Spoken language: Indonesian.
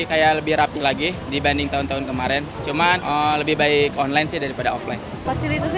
kayak lebih rapi lagi dibanding tahun tahun kemarin cuman lebih baik online sih daripada offline fasilitasnya